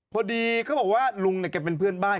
พอดีเขาบอกว่าลุงเนี่ยแกเป็นเพื่อนบ้าน